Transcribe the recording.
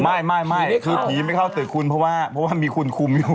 ไม่คือผีไม่เข้าตึกคุณเพราะว่ามีคุณคุมอยู่